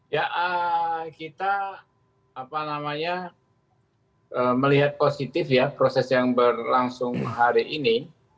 ya kita melihat positif ya proses yang berlangsung hari ini